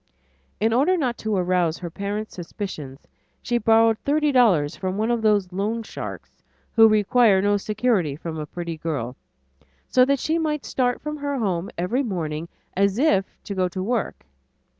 In order not to arouse her parents' suspicions, she borrowed thirty dollars from one of those loan sharks who require no security from a pretty girl, so that she might start from home every morning as if to go to work.